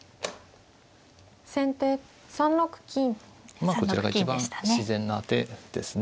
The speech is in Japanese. まあこちらが一番自然な手ですね。